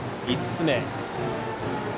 ５つ目。